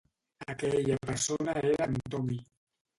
Aquella persona era en Tommy.